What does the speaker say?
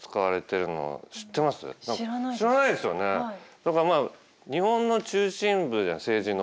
だからまあ日本の中心部政治の。